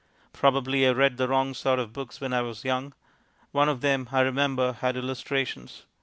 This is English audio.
Probably I read the wrong sort of books when I was young. One of them, I remember, had illustrations.